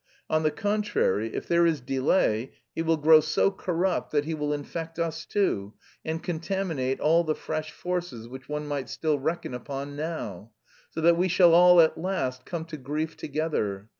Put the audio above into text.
On the contrary, if there is delay, he will grow so corrupt that he will infect us too and contaminate all the fresh forces which one might still reckon upon now, so that we shall all at last come to grief together.